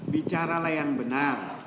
bicara lah yang benar